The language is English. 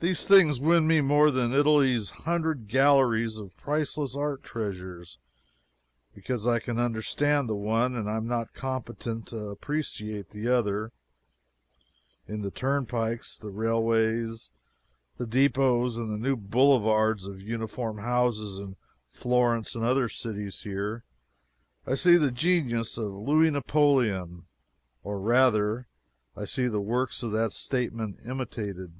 These things win me more than Italy's hundred galleries of priceless art treasures, because I can understand the one and am not competent to appreciate the other. In the turnpikes, the railways, the depots, and the new boulevards of uniform houses in Florence and other cities here, I see the genius of Louis Napoleon, or rather, I see the works of that statesman imitated.